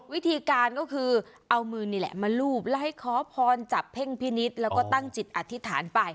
วิธีการก็คือเอามือนี่แหละมาลูบและให้ขอพรจับเพ่งพินิษฐ์แล้วก็ตั้งจิตอธิษฐานไป